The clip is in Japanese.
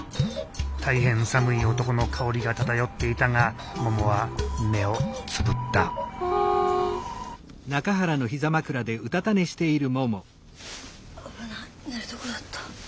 大変寒い男の香りが漂っていたがももは目をつぶった危ない寝るとこだった。